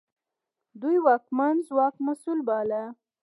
دوی واکمن ځواک مسوول باله.